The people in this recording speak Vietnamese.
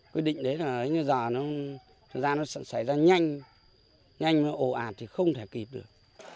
quy định đấy là giờ nó xảy ra nhanh nhanh mà ồ ạt thì không thể kịp được